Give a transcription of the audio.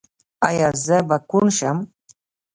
ایا زه به کڼ شم؟